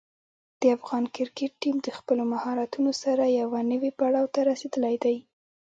د افغان کرکټ ټیم د خپلو مهارتونو سره یوه نوې پړاو ته رسېدلی دی.